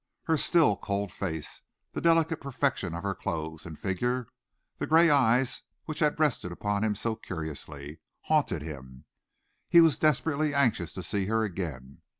Her still, cold face, the delicate perfection of her clothes and figure, the grey eyes which had rested upon his so curiously, haunted him. He was desperately anxious to see her again.